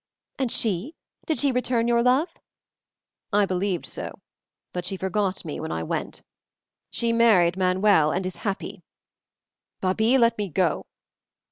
"And she? Did she return your love?" "I believed so; but she forgot me when I went. She married Manuel and is happy. Babie, let me go!"